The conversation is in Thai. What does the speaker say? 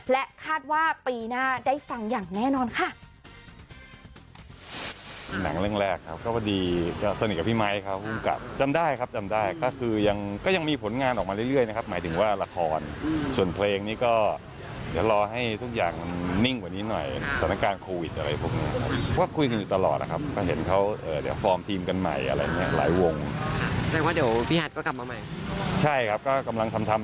และคาดว่าปีหน้าได้ฟังอย่างแน่นอนค่ะ